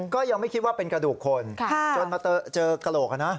ก็ยังไม่คิดว่าเป็นกระดูกคนจนมาเจอกระโหลกนะ